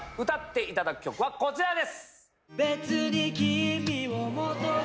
歌っていただく曲はこちらです。